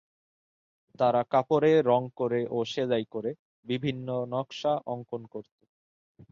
তারা কাপড়ে রঙ করে ও সেলাই করে বিভিন্ন নকশা অঙ্কন করতো।